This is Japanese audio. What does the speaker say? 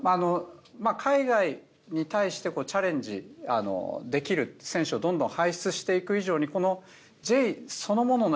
海外に対してチャレンジできる選手をどんどん輩出していく以上に。